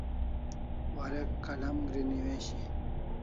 Warek kalam gri newishi